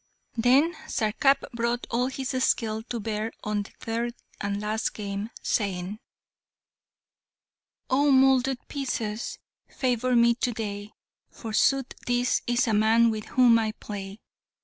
Then Sarkap brought all his skill to bear on the third and last game, saying, "Oh moulded pieces! favour me to day! For sooth this is a man with whom I play.